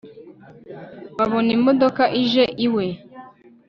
babona imodoka ije iwe